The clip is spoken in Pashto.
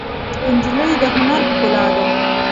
نجلۍ د هنر ښکلا ده.